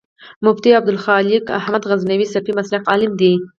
مفتي ابوخالد لائق احمد غزنوي سلفي مسلک عالم دی